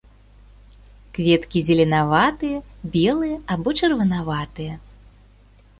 Кветкі зеленаватыя, белыя або чырванаватыя.